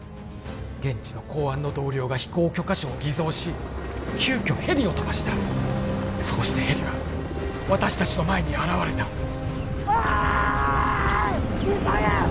現地の公安の同僚が飛行許可証を偽造し急きょヘリを飛ばしたそうしてヘリは私たちの前に現れたおい急げ！